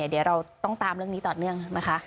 เดี๋ยวเราต้องตามเรื่องนี้ต่อเนื่องนะคะ